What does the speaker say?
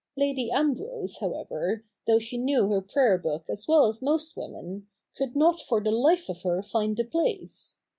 Lady Ambrose, however, though she knew her prayer book as well as most women, could not for the life of her find the place.